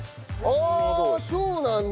ああそうなんだ。